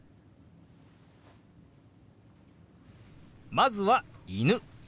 まずは「犬」。